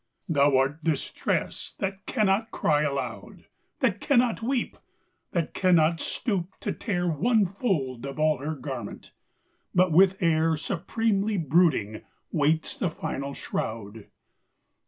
Thou art Distress — ^that cannot cry alou<^ That cannot weep, that cannot stoop to tear One fold of all her garment, but with air Supremely brooding waits the final shroud